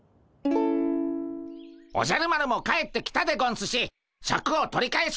おじゃる丸も帰ってきたでゴンスしシャクを取り返しに行くでゴンス！